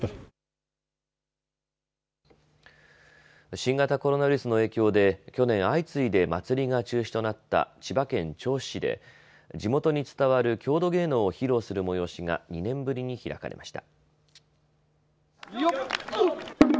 新型コロナウイルスの影響で去年、相次いで祭りが中止となった千葉県銚子市で地元に伝わる郷土芸能を披露する催しが２年ぶりに開かれました。